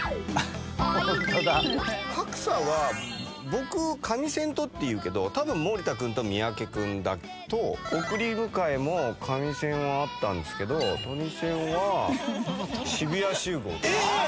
「格差は僕カミセンとっていうけどたぶん森田君と三宅君だと」「送り迎えもカミセンはあったんですけどトニセンは渋谷集合とか」